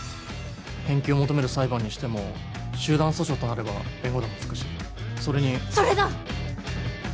返金を求める裁判にしても集団訴訟となれば弁護団もつくしそれにそれだ！